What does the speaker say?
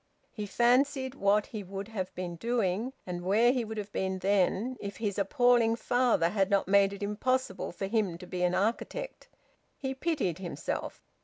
He fancied what he would have been doing, and where he would have been then, if his appalling father had not made it impossible for him to be an architect. He pitied himself.